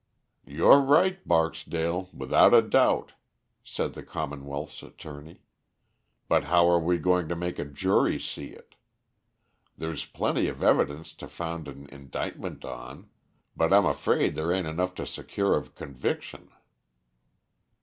"You're right, Barksdale, without a doubt," said the commonwealth's attorney; "but how are we going to make a jury see it? There's plenty of evidence to found an indictment on, but I'm afraid there a'n't enough to secure a conviction."